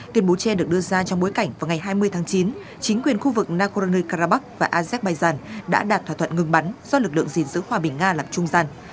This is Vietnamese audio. tuyên bố che được đưa ra trong bối cảnh vào ngày hai mươi tháng chín chính quyền khu vực nagorno karabakh và azerbaijan đã đạt thỏa thuận ngừng bắn do lực lượng gìn giữ hòa bình nga làm trung gian